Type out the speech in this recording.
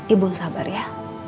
ibu sabar ya